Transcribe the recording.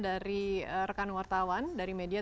dari rekan wartawan dari media